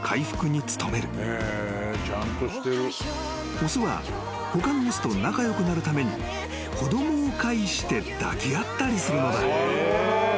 ［雄は他の雄と仲良くなるために子供を介して抱き合ったりするのだ］